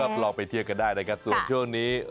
ลองไปเที่ยวกันได้นะครับส่วนช่วงนี้